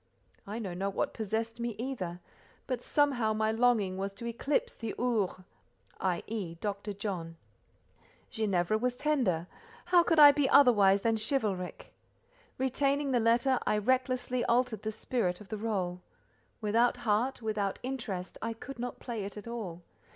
I know not what possessed me either; but somehow, my longing was to eclipse the "Ours," i.e., Dr. John. Ginevra was tender; how could I be otherwise than chivalric? Retaining the letter, I recklessly altered the spirit of the rôle. Without heart, without interest, I could not play it at all.